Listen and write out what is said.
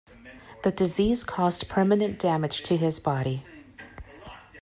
The disease caused permanent damage to his body.